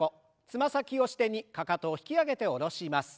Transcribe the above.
つま先を支点にかかとを引き上げて下ろします。